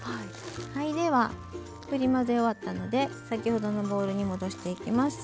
振り混ぜ終わったので先ほどのボウルに戻しておきます。